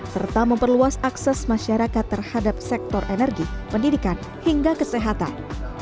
serta memperluas akses masyarakat terhadap sektor energi pendidikan hingga kesehatan